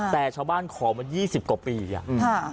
แต่ชาวบ้านขอมัน๒๐กว่าปีอย่างนี้